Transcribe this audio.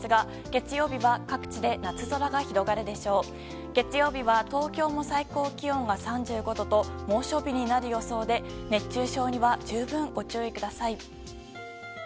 月曜日は東京も最高気温が３５度と猛暑日になる予想で熱中症には十分ご注意ください。